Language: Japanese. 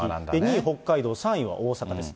２位北海道、３位は大阪です。